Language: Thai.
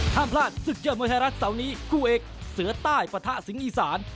ห้ามพลาดศึกยอดมวยไทยรัฐเสาร์นี้คู่เอกเสือใต้ปะทะสิงห์อีสาน